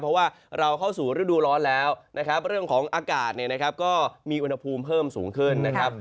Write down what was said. เพราะว่าเราเข้าสู่ฤดูร้อนแล้วนะครับเรื่องของอากาศเนี่ยนะครับก็มีอุณหภูมิเพิ่มสูงขึ้นนะครับ